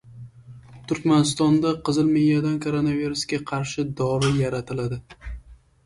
Turkmanistonda qizilmiyadan koronavirusga qarshi dori yaratiladi